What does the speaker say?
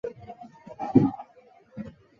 昂古斯廷埃斯卡勒德新城。